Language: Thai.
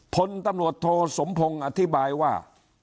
พลตำรวจโทสมพงศ์อธิบายว่า